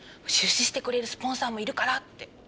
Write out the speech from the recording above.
出資してくれるスポンサーもいるからって。